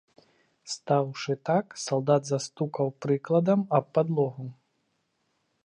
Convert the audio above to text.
Стаўшы так, салдат застукаў прыкладам аб падлогу.